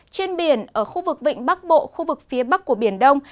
trên biển ở khu vực vịnh bắc bộ khu vực phía bắc của biển đông